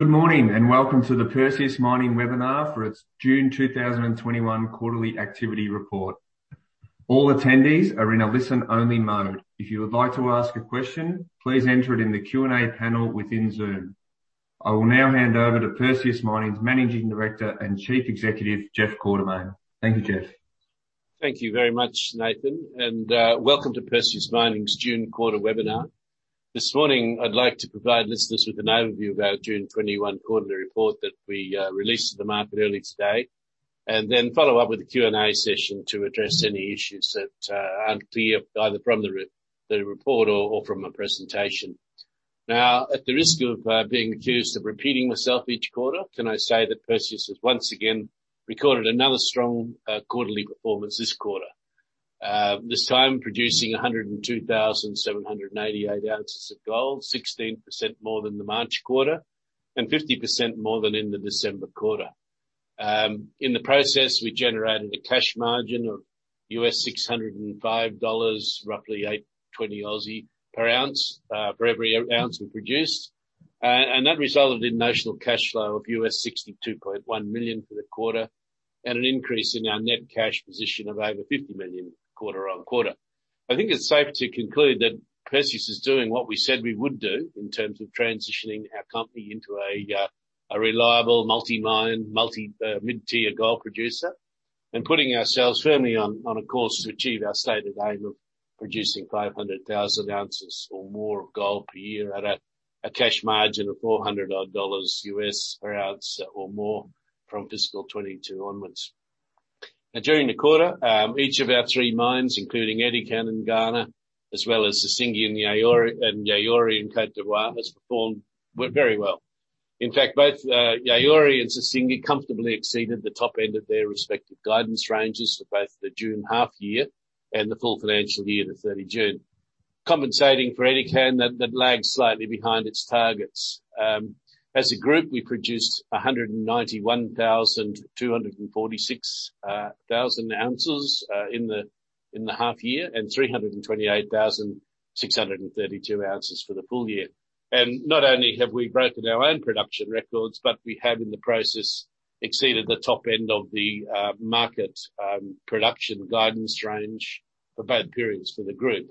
Good morning, welcome to the Perseus Mining webinar for its June 2021 quarterly activity report. All attendees are in a listen-only mode. If you would like to ask a question, please enter it in the Q&A panel within Zoom. I will now hand over to Perseus Mining's Managing Director and Chief Executive, Jeff Quartermaine. Thank you, Jeff. Thank you very much, Nathan. Welcome to Perseus Mining's June quarter webinar. This morning, I'd like to provide listeners with an overview of our June 2021 quarterly report that we released to the market earlier today. Then follow up with a Q&A session to address any issues that aren't clear, either from the report or from the presentation. Now, at the risk of being accused of repeating myself each quarter, can I say that Perseus has once again recorded another strong quarterly performance this quarter. This time producing 102,788 ounces of gold, 16% more than the March quarter, 50% more than in the December quarter. In the process, we generated a cash margin of $605, roughly 820 per ounce, for every ounce we produced. That resulted in notional cash flow of $62.1 million for the quarter, and an increase in our net cash position of over $50 million quarter-on-quarter. I think it's safe to conclude that Perseus is doing what we said we would do in terms of transitioning our company into a reliable multi-mine, multi-mid-tier gold producer. Putting ourselves firmly on a course to achieve our stated aim of producing 500,000 ounces or more of gold per year at a cash margin of $400 odd per ounce or more from fiscal 2022 onwards. Now, during the quarter, each of our three mines, including Edikan in Ghana, as well as Sissingué and Yaouré in Côte d'Ivoire, has performed very well. In fact, both Yaouré and Sissingué comfortably exceeded the top end of their respective guidance ranges for both the June half year and the full financial year to 30 June. Compensating for Edikan that lagged slightly behind its targets. As a group, we produced 191,246 ounces in the half year, and 328,632 ounces for the full year. Not only have we broken our own production records, but we have in the process exceeded the top end of the market production guidance range for both periods for the group.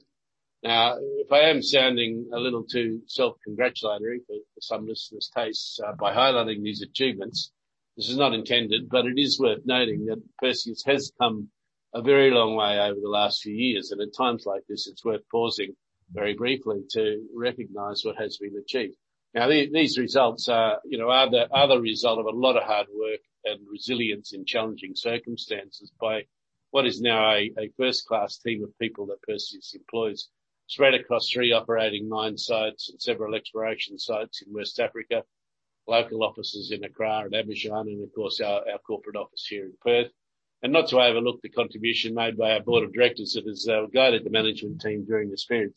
Now, if I am sounding a little too self-congratulatory for some listeners' tastes by highlighting these achievements, this is not intended, but it is worth noting that Perseus has come a very long way over the last few years. At times like this, it's worth pausing very briefly to recognize what has been achieved. Now, these results are the result of a lot of hard work and resilience in challenging circumstances by what is now a first-class team of people that Perseus employs, spread across three operating mine sites and several exploration sites in West Africa, local offices in Accra and Abidjan, and of course, our corporate office here in Perth. Not to overlook the contribution made by our Board of Directors that has guided the management team during this period.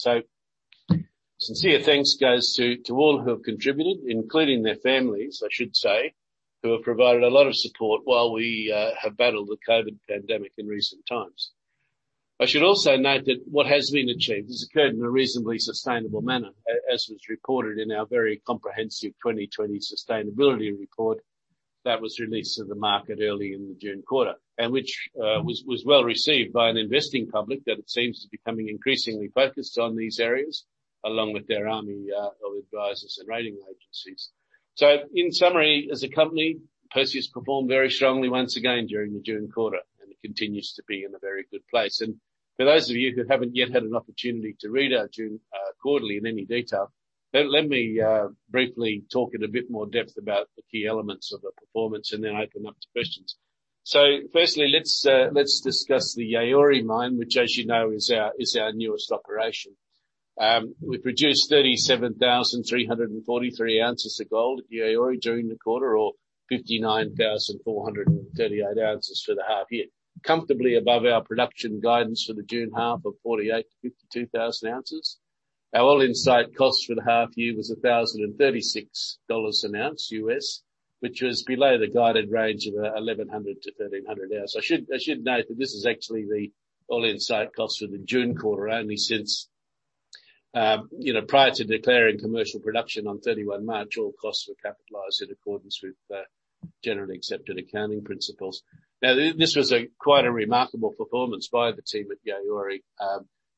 Sincere thanks goes to all who have contributed, including their families, I should say, who have provided a lot of support while we have battled the COVID pandemic in recent times. I should also note that what has been achieved has occurred in a reasonably sustainable manner, as was reported in our very comprehensive 2020 sustainability report that was released to the market early in the June quarter. Which was well-received by an investing public that it seems is becoming increasingly focused on these areas, along with their army of advisers and rating agencies. In summary, as a company, Perseus performed very strongly once again during the June quarter and it continues to be in a very good place. For those of you who haven't yet had an opportunity to read our June quarterly in any detail, let me briefly talk in a bit more depth about the key elements of the performance and then open up to questions. Firstly, let's discuss the Yaouré mine, which as you know, is our newest operation. We produced 37,343 ounces of gold at Yaouré during the quarter or 59,438 ounces for the half year. Comfortably above our production guidance for the June half of 48,000-52,000 ounces. Our all-in site cost for the half year was $1,036 an ounce U.S., which was below the guided range of $1,100-$1,300 an ounce. I should note that this is actually the all-in site cost for the June quarter only since, prior to declaring commercial production on 31 March, all costs were capitalized in accordance with generally accepted accounting principles. This was quite a remarkable performance by the team at Yaouré.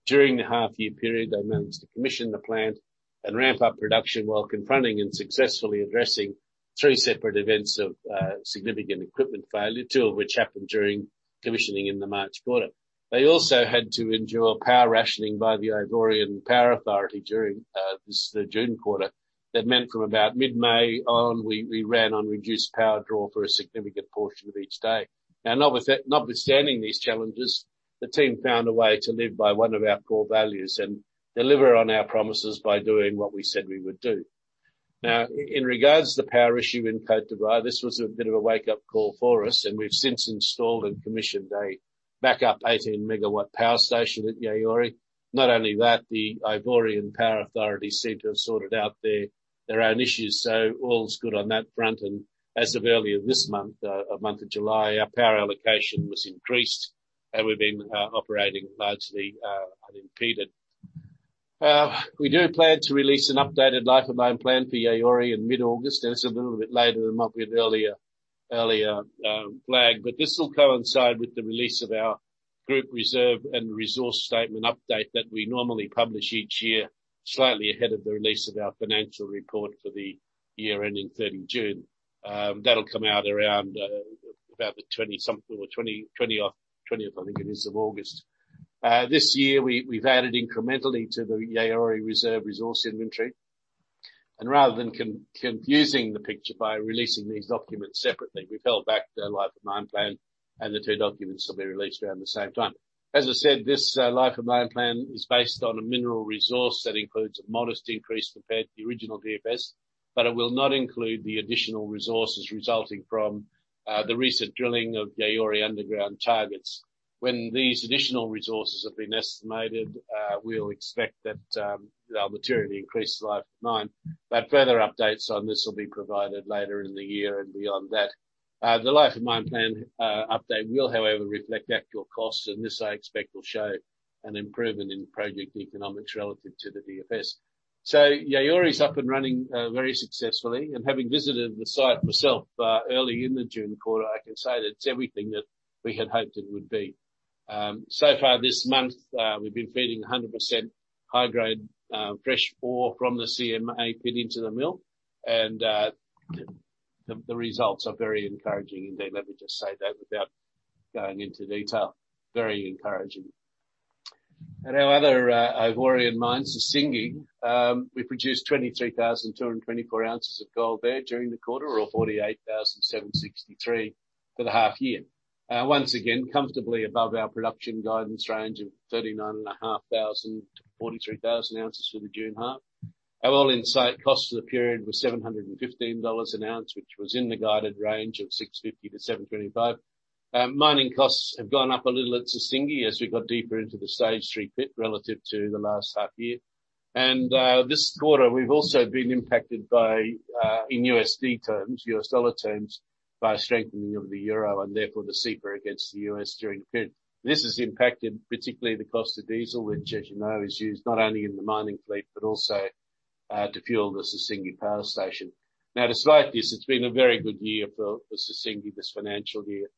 During the half year period, they managed to commission the plant and ramp up production while confronting and successfully addressing three separate events of significant equipment failure, two of which happened during commissioning in the March quarter. They also had to endure power rationing by the Ivorian Power Authority during the June quarter. That meant from about mid-May on, we ran on reduced power draw for a significant portion of each day. Notwithstanding these challenges, the team found a way to live by one of our core values and deliver on our promises by doing what we said we would do. In regards to the power issue in Côte d'Ivoire, this was a bit of a wake-up call for us, and we've since installed and commissioned a backup 18 MW power station at Yaouré. Not only that, the Ivorian Power Authority seem to have sorted out their own issues, so all's good on that front. As of earlier this month, of July, our power allocation was increased, and we've been operating largely unimpeded. We do plan to release an updated life of mine plan for Yaouré in mid-August. That's a little bit later than what we had earlier flagged. This will coincide with the release of our group reserve and resource statement update that we normally publish each year, slightly ahead of the release of our financial report for the year ending 30 June. That'll come out around about the 20th, I think it is, of August. This year, we've added incrementally to the Yaouré Reserve resource inventory. Rather than confusing the picture by releasing these documents separately, we've held back their life of mine plan and the two documents will be released around the same time. As I said, this life of mine plan is based on a mineral resource that includes a modest increase compared to the original DFS, but it will not include the additional resources resulting from the recent drilling of Yaouré underground targets. When these additional resources have been estimated, we'll expect that they'll materially increase the life of mine. Further updates on this will be provided later in the year and beyond that. The life of mine plan update will, however, reflect actual costs, and this I expect will show an improvement in project economics relative to the DFS. Yaouré is up and running very successfully. Having visited the site myself early in the June quarter, I can say that it's everything that we had hoped it would be. Far this month, we've been feeding 100% high-grade fresh ore from the CMA pit into the mill, and the results are very encouraging indeed. Let me just say that without going into detail. Very encouraging. Our other Ivorian mines, Sissingué, we produced 23,224 ounces of gold there during the quarter or 48,763 for the half year. Once again, comfortably above our production guidance range of 39,500-43,000 ounces for the June half. Our all-in site cost for the period was 715 dollars an ounce, which was in the guided range of 650-725. Mining costs have gone up a little at Sissingué as we got deeper into the stage 3 pit relative to the last half year. This quarter, we've also been impacted in U.S. Dollar terms, by a strengthening of the euro and therefore the CFA against the U.S. during the period. This has impacted particularly the cost of diesel, which as you know, is used not only in the mining fleet, but also to fuel the Sissingué power station. Despite this, it's been a very good year for Sissingué this financial year.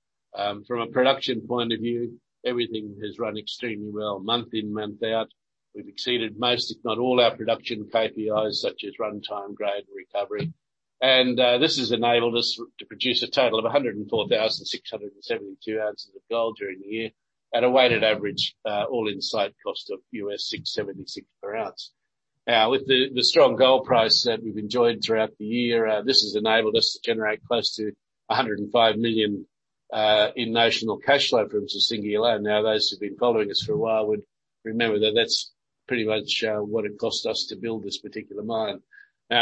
From a production point of view, everything has run extremely well month in, month out. We've exceeded most, if not all, our production KPIs, such as runtime grade and recovery. This has enabled us to produce a total of 104,672 ounces of gold during the year at a weighted average all-in site cost of $676 per ounce. With the strong gold price that we've enjoyed throughout the year, this has enabled us to generate close to 105 million in notional cash flow from Sissingué alone. Those who've been following us for a while would remember that that's pretty much what it cost us to build this particular mine.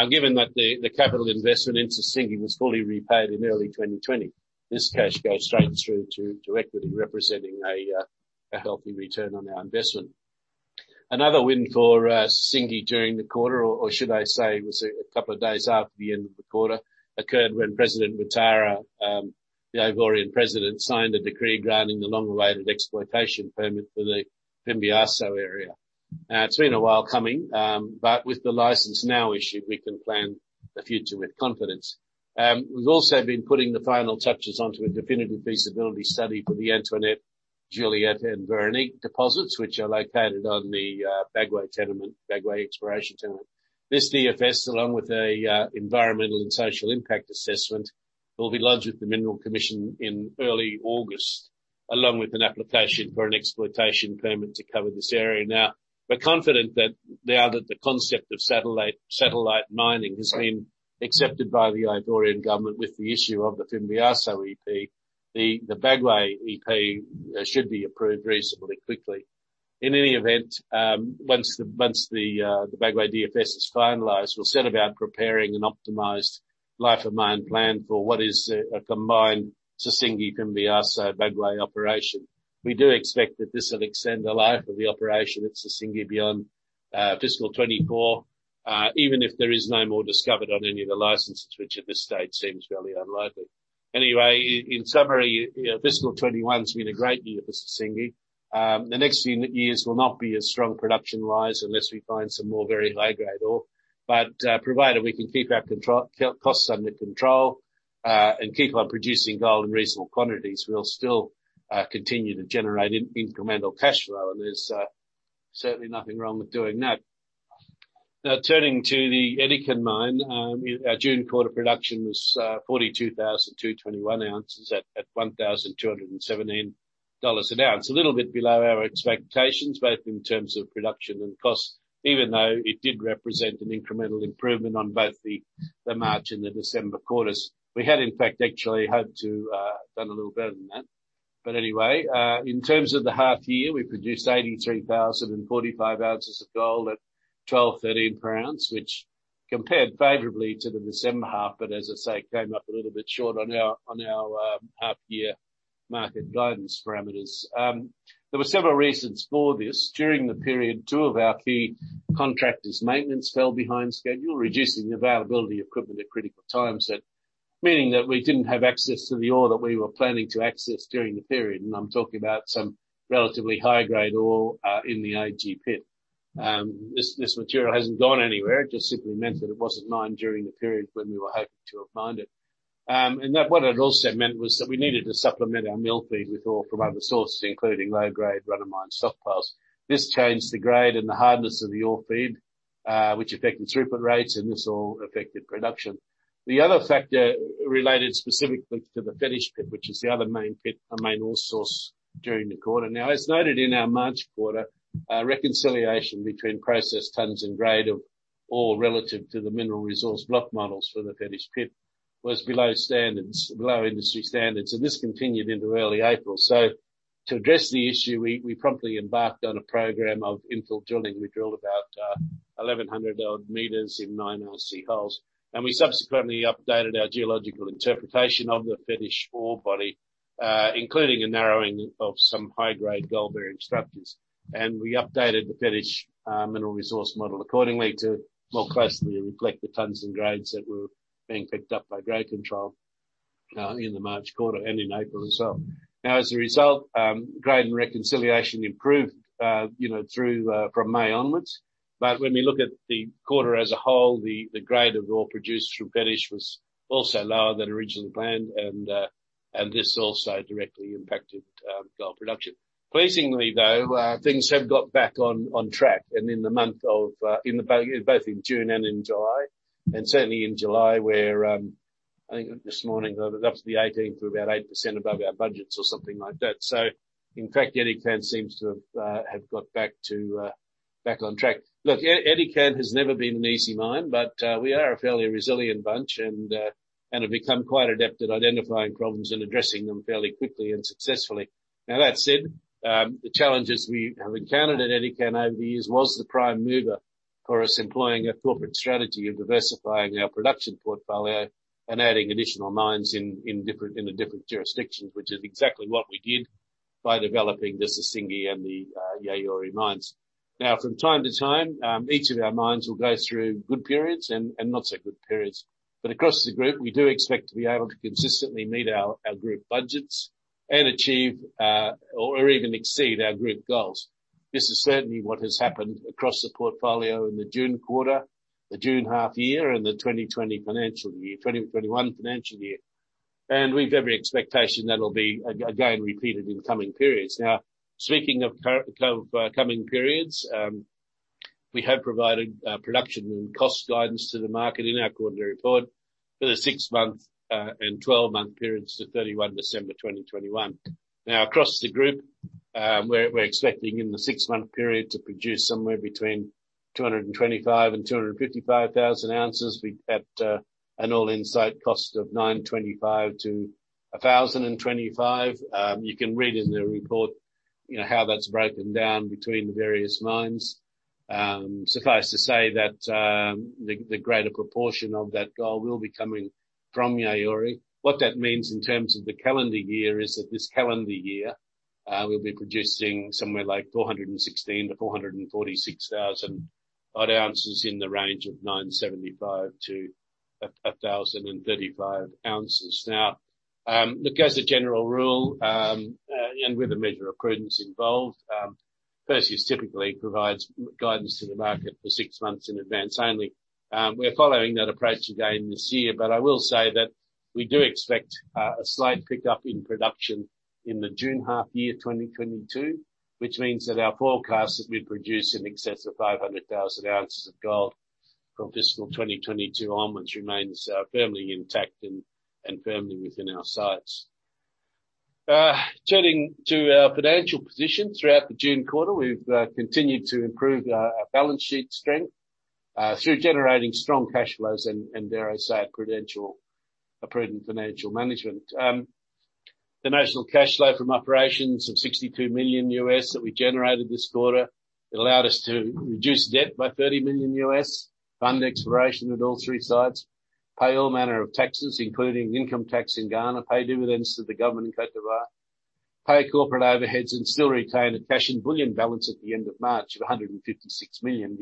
Given that the capital investment in Sissingué was fully repaid in early 2020, this cash goes straight through to equity, representing a healthy return on our investment. Another win for Sissingué during the quarter, or should I say, was a couple of days after the end of the quarter, occurred when President Ouattara, the Ivorian president, signed a decree granting the long-awaited exploitation permit for the Fimbiasso area. It's been a while coming. With the license now issued, we can plan the future with confidence. We've also been putting the final touches onto a definitive feasibility study for the Antoinette, Juliet, and Veronique deposits, which are located on the Bagoé tenement, Bagoé exploration tenement. This DFS, along with a environmental and social impact assessment, will be lodged with the Minerals Commission in early August, along with an application for an exploitation permit to cover this area. We're confident that now that the concept of satellite mining has been accepted by the Ivorian government with the issue of the Fimbiasso EP, the Bagoé EP should be approved reasonably quickly. In any event, once the Bagoé DFS is finalized, we'll set about preparing an optimized life of mine plan for what is a combined Sissingué, Fimbiasso, Bagoé operation. We do expect that this will extend the life of the operation at Sissingué beyond fiscal 2024, even if there is no more discovered on any of the licenses, which at this stage seems fairly unlikely. In summary, fiscal 2021 has been a great year for Sissingué. The next few years will not be as strong production-wise unless we find some more very high-grade ore. Provided we can keep our costs under control and keep on producing gold in reasonable quantities, we'll still continue to generate incremental cash flow. There's certainly nothing wrong with doing that. Now, turning to the Edikan mine. Our June quarter production was 42,221 ounces at 1,217 dollars an ounce. A little bit below our expectations, both in terms of production and cost, even though it did represent an incremental improvement on both the March and the December quarters. We had, in fact, actually hoped to have done a little better than that. Anyway, in terms of the half year, we produced 83,045 ounces of gold at 1,213 per ounce, which compared favorably to the December half. As I say, came up a little bit short on our half year market guidance parameters. There were several reasons for this. During the period, two of our key contractors' maintenance fell behind schedule, reducing the availability of equipment at critical times meaning that we didn't have access to the ore that we were planning to access during the period, and I'm talking about some relatively high-grade ore in the AG pit. This material hasn't gone anywhere, it just simply meant that it wasn't mined during the period when we were hoping to have mined it. That what it also meant was that we needed to supplement our mill feed with ore from other sources, including low-grade run-of-mine stockpiles. This changed the grade and the hardness of the ore feed, which affected throughput rates, and this all affected production. The other factor related specifically to the Fetish pit, which is the other main pit, our main ore source during the quarter. Now, as noted in our March quarter, our reconciliation between processed tonnes and grade of ore relative to the mineral resource block models for the Fetish pit was below industry standards, and this continued into early April. To address the issue, we promptly embarked on a program of infill drilling. We drilled about 1,100-odd meters in nine RC holes, and we subsequently updated our geological interpretation of the Fetish ore body, including a narrowing of some high-grade gold-bearing structures. We updated the Fetish mineral resource model accordingly to more closely reflect the tonnes and grades that were being picked up by grade control, in the March quarter and in April as well. Now, as a result, grade and reconciliation improved from May onwards. When we look at the quarter as a whole, the grade of ore produced from Fetish was also lower than originally planned, and this also directly impacted gold production. Pleasingly, though, things have got back on track both in June and in July. Certainly in July, where, I think this morning that it was up to the 18th, we're about 8% above our budgets or something like that. In fact, Edikan seems to have got back on track. Look, Edikan has never been an easy mine, but we are a fairly resilient bunch and have become quite adept at identifying problems and addressing them fairly quickly and successfully. Now, that said, the challenges we have encountered at Edikan over the years was the prime mover for us employing a corporate strategy of diversifying our production portfolio and adding additional mines in different jurisdictions. Which is exactly what we did by developing the Sissingué and the Yaouré mines. From time to time, each of our mines will go through good periods and not so good periods. Across the group, we do expect to be able to consistently meet our group budgets and achieve, or even exceed our group goals. This is certainly what has happened across the portfolio in the June quarter, the June half year and the 2021 financial year. We've every expectation that'll be, again, repeated in coming periods. Speaking of coming periods, we have provided production and cost guidance to the market in our quarterly report for the six month, and 12 month periods to 31 December 2021. Across the group, we're expecting in the six month period to produce somewhere between 225,000-255,000 ounces. We kept an all-in site cost of 925-1,025. You can read in the report how that's broken down between the various mines. Suffice to say that the greater proportion of that gold will be coming from Yaouré. What that means in terms of the calendar year is that this calendar year, we'll be producing somewhere like 416,000-446,000 odd ounces in the range of 975-1,035 ounces. Now, look, as a general rule, and with a measure of prudence involved, Perseus typically provides guidance to the market for six months in advance only. We're following that approach again this year, but I will say that we do expect a slight pickup in production in the June half year 2022. Which means that our forecast that we produce in excess of 500,000 ounces of gold from fiscal 2022 onwards remains firmly intact and firmly within our sights. Turning to our financial position. Throughout the June quarter, we've continued to improve our balance sheet strength, through generating strong cash flows and dare I say, a prudent financial management. The net cash flow from operations of $62 million that we generated this quarter, it allowed us to reduce debt by $30 million, fund exploration at all three sites, pay all manner of taxes, including income tax in Ghana, pay dividends to the government in Côte d'Ivoire, pay corporate overheads, and still retain a cash and bullion balance at the end of March of $156 million.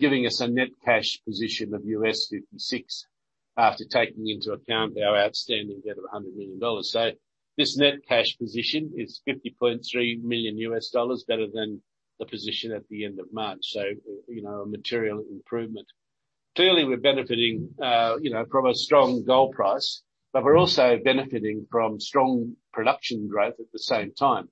Giving us a net cash position of $56 million after taking into account our outstanding debt of $100 million. This net cash position is $50.3 million better than the position at the end of March. A material improvement. Clearly, we're benefiting from a strong gold price, we're also benefiting from strong production growth at the same time.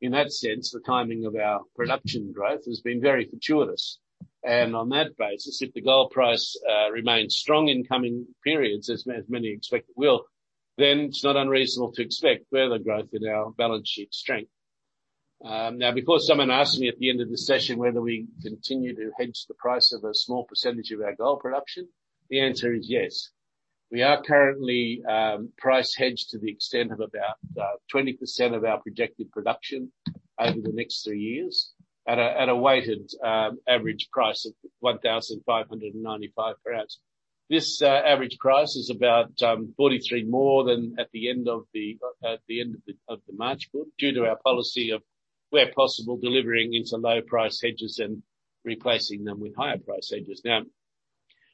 In that sense, the timing of our production growth has been very fortuitous. On that basis, if the gold price remains strong in coming periods, as many expect it will, it's not unreasonable to expect further growth in our balance sheet strength. Because someone asked me at the end of the session whether we continue to hedge the price of a small percentage of our gold production, the answer is yes. We are currently price hedged to the extent of about 20% of our projected production over the next three years at a weighted average price of 1,595 per ounce. This average price is about 43 more than at the end of the March quarter due to our policy of, where possible, delivering into low price hedges and replacing them with higher price hedges.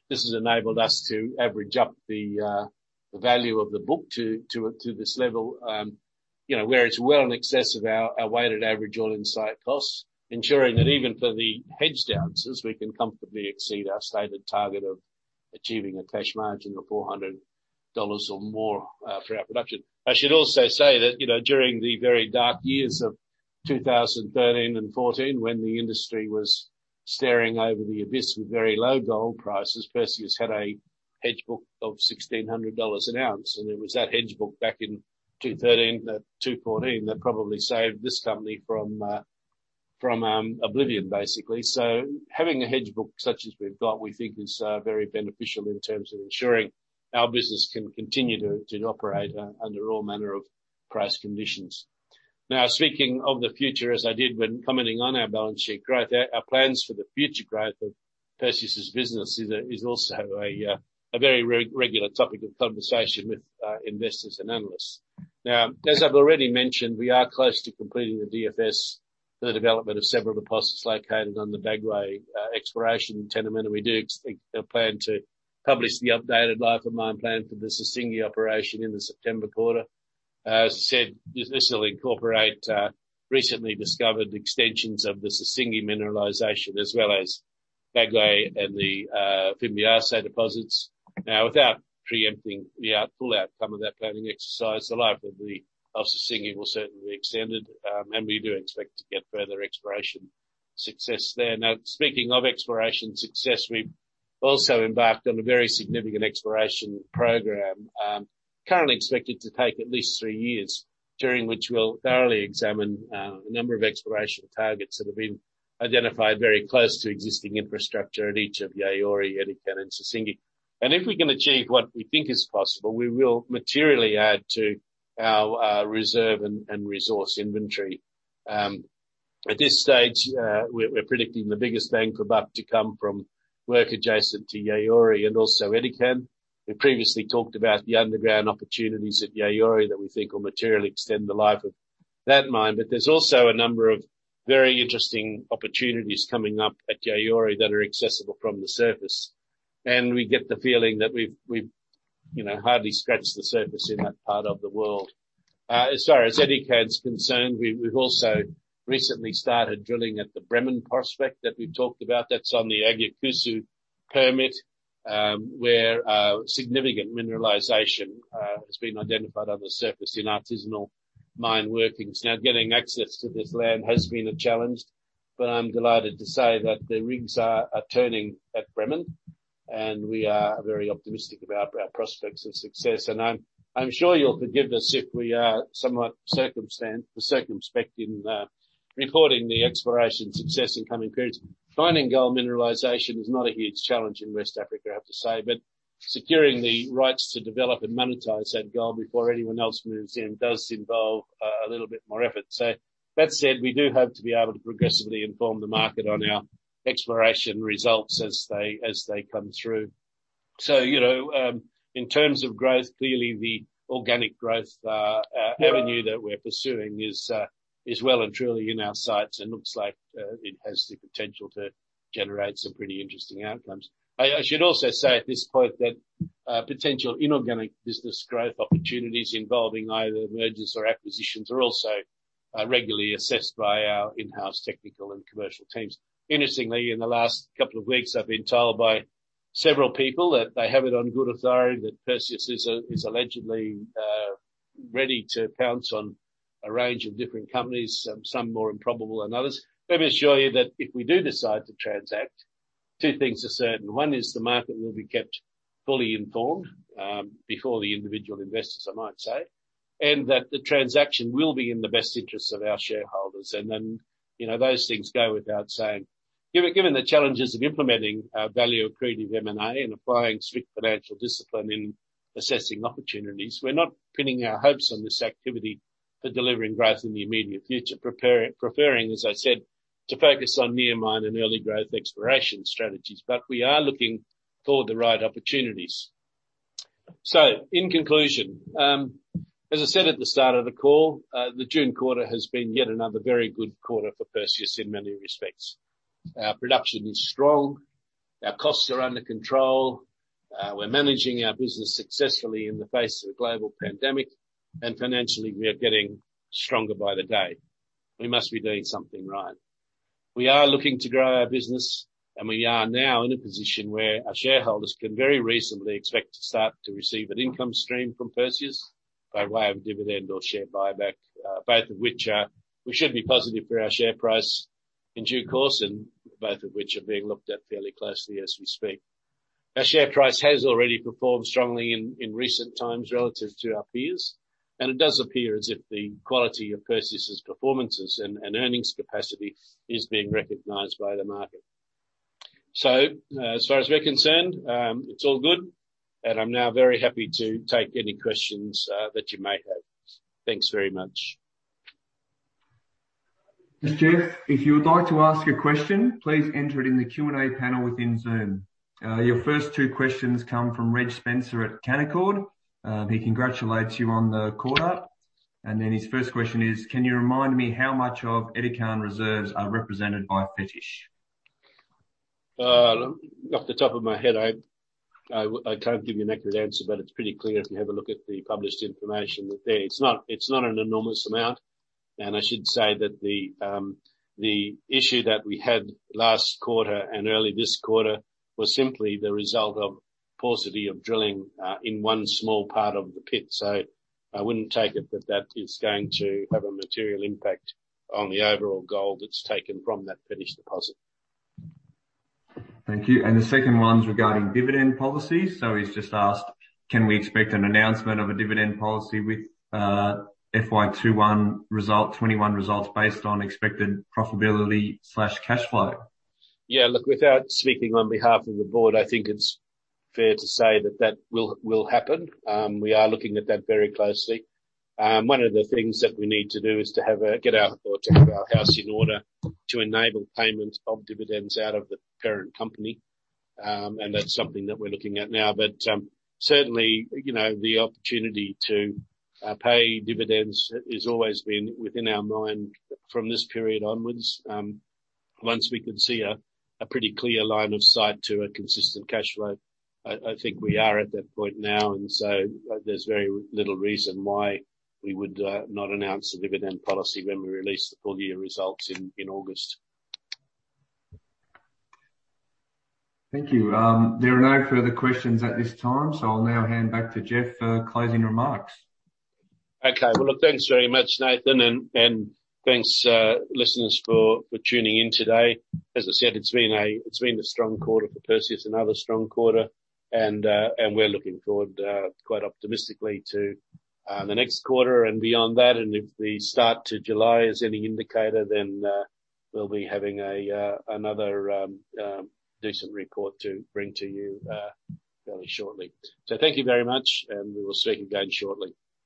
This has enabled us to average up the value of the book to this level, where it's well in excess of our weighted average all-in site costs, ensuring that even for the hedged ounces, we can comfortably exceed our stated target of achieving a cash margin of 400 dollars or more for our production. I should also say that, during the very dark years of 2013 and 2014, when the industry was staring over the abyss with very low gold prices, Perseus had a hedge book of 1,600 dollars an ounce, and it was that hedge book back in 2013, no, 2014, that probably saved this company from oblivion, basically. Having a hedge book such as we've got, we think is very beneficial in terms of ensuring our business can continue to operate under all manner of price conditions. Speaking of the future, as I did when commenting on our balance sheet growth, our plans for the future growth of Perseus' business is also a very regular topic of conversation with investors and analysts. As I've already mentioned, we are close to completing the DFS for the development of several deposits located on the Bagoé exploration tenement, and we do plan to publish the updated life of mine plan for the Sissingué operation in the September quarter. As I said, this will incorporate recently discovered extensions of the Sissingué mineralisation, as well as Bagoé and the Fimbiasso deposits. Without preempting the full outcome of that planning exercise, the life of the Sissingué will certainly be extended, and we do expect to get further exploration success there. Speaking of exploration success, we've also embarked on a very significant exploration program, currently expected to take at least three years, during which we'll thoroughly examine a number of exploration targets that have been identified very close to existing infrastructure at each of Yaouré, Edikan and Sissingué. If we can achieve what we think is possible, we will materially add to our reserve and resource inventory. At this stage, we're predicting the biggest bang for buck to come from work adjacent to Yaouré and also Edikan. We previously talked about the underground opportunities at Yaouré that we think will materially extend the life of that mine. There's also a number of very interesting opportunities coming up at Yaouré that are accessible from the surface, and we get the feeling that we've hardly scratched the surface in that part of the world. As far as Edikan's concerned, we've also recently started drilling at the Bremen prospect that we've talked about. That's on the Agyakusu permit, where significant mineralization has been identified on the surface in artisanal mine workings. Now, getting access to this land has been a challenge, but I'm delighted to say that the rigs are turning at Bremen, and we are very optimistic about our prospects of success. I'm sure you'll forgive us if we are somewhat circumspect in reporting the exploration success in coming periods. Finding gold mineralization is not a huge challenge in West Africa, I have to say, but securing the rights to develop and monetize that gold before anyone else moves in does involve a little bit more effort. That said, we do hope to be able to progressively inform the market on our exploration results as they come through. In terms of growth, clearly the organic growth avenue that we're pursuing is well and truly in our sights and looks like it has the potential to generate some pretty interesting outcomes. I should also say at this point that potential inorganic business growth opportunities involving either mergers or acquisitions are also regularly assessed by our in-house technical and commercial teams. Interestingly, in the last couple of weeks, I've been told by several people that they have it on good authority that Perseus is allegedly ready to pounce on a range of different companies, some more improbable than others. Let me assure you that if we do decide to transact, two things are certain. One is the market will be kept fully informed, before the individual investors, I might say, and that the transaction will be in the best interests of our shareholders and then, those things go without saying. Given the challenges of implementing value accretive M&A and applying strict financial discipline in assessing opportunities, we're not pinning our hopes on this activity for delivering growth in the immediate future. Preferring, as I said, to focus on near mine and early growth exploration strategies. We are looking for the right opportunities. In conclusion, as I said at the start of the call, the June quarter has been yet another very good quarter for Perseus in many respects. Our production is strong. Our costs are under control. We are managing our business successfully in the face of a global pandemic. Financially, we are getting stronger by the day. We must be doing something right. We are looking to grow our business, and we are now in a position where our shareholders can very reasonably expect to start to receive an income stream from Perseus by way of dividend or share buyback both of which should be positive for our share price in due course, and both of which are being looked at fairly closely as we speak. Our share price has already performed strongly in recent times relative to our peers, and it does appear as if the quality of Perseus's performances and earnings capacity is being recognized by the market. As far as we're concerned, it's all good, and I'm now very happy to take any questions that you may have. Thanks very much. Thank you Jeff, if you would like to ask a question, please enter it in the Q&A panel within Zoom. Your first two questions come from Reg Spencer at Canaccord. He congratulates you on the quarter. His first question is: Can you remind me how much of Edikan reserves are represented by Fetish? Off the top of my head, I can't give you an accurate answer, but it's pretty clear if you have a look at the published information that it's not an enormous amount. I should say that the issue that we had last quarter and early this quarter was simply the result of paucity of drilling in 1 small part of the pit. I wouldn't take it that is going to have a material impact on the overall gold that's taken from that Fetish deposit. Thank you. The second one's regarding dividend policy. He's just asked, can we expect an announcement of a dividend policy with FY 2021 results based on expected profitability/cash flow? Look, without speaking on behalf of the board, I think it's fair to say that will happen. We are looking at that very closely. One of the things that we need to do is to get our house in order to enable payment of dividends out of the parent company. That's something that we're looking at now. Certainly, the opportunity to pay dividends has always been within our mind from this period onwards. Once we can see a pretty clear line of sight to a consistent cash flow, I think we are at that point now, there's very little reason why we would not announce a dividend policy when we release the full-year results in August. Thank you. There are no further questions at this time. I'll now hand back to Jeff for closing remarks. Okay. Well, look, thanks very much, Nathan, and thanks, listeners, for tuning in today. As I said, it's been a strong quarter for Perseus, another strong quarter, and we're looking forward quite optimistically to the next quarter and beyond that. If the start to July is any indicator, then we'll be having another decent report to bring to you fairly shortly. Thank you very much, and we will speak again shortly.